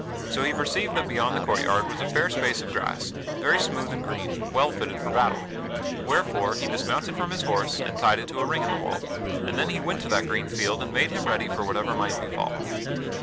So he perceived that beyond the court yard was a fair space of grass, very smooth and green, well fitted for battle, wherefore he dismounted from his horse and tied it to a ring in the wall, and then he went to that green field and made him ready for whatever might befall.